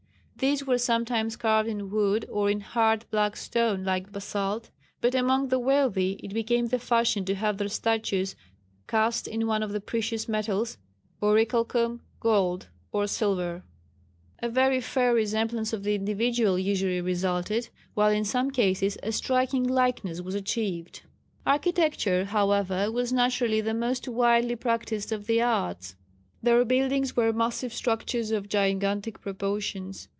These were sometimes carved in wood or in hard black stone like basalt, but among the wealthy it became the fashion to have their statues cast in one of the precious metals, aurichalcum, gold or silver. A very fair resemblance of the individual usually resulted, while in some cases a striking likeness was achieved. Architecture, however, was naturally the most widely practised of these arts. Their buildings were massive structures of gigantic proportions.